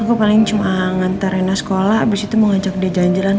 aku paling cuma ngantar rina sekolah abis itu mau ngajak ke dejanjilan